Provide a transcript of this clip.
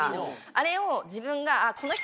あれを自分が。